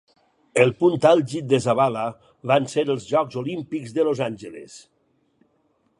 El punt àlgid de Zabala van ser els Jocs Olímpics de Los Angeles.